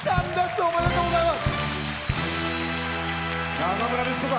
おめでとうございます。